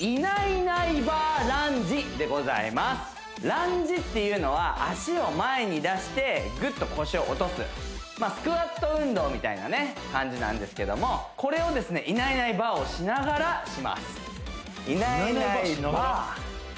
ランジっていうのは足を前に出してぐっと腰を落とすまあスクワット運動みたいなね感じなんですけどもこれをですねいないいないばあをしながらしますいないいないばあいないいないばあしながら？